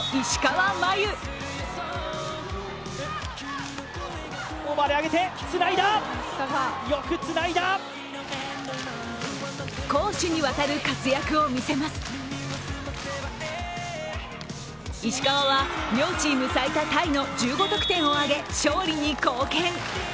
石川は両チーム最多タイの１５得点を挙げ、勝利に貢献。